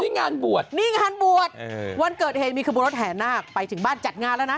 งานบวชนี่งานบวชวันเกิดเหตุมีขบวนรถแห่นาคไปถึงบ้านจัดงานแล้วนะ